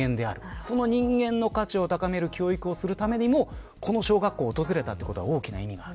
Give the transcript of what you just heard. その人間の価値を高める教育をするこの小学校を訪れたのは大きな意味がある。